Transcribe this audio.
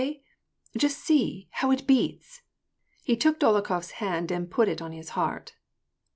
Hey ? Just see, how it beats !" He took Dolokhof's hand and put it on his heart.